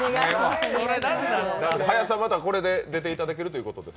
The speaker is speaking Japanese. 林さん、またこれで出ていただけるということで。